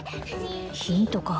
ヒントか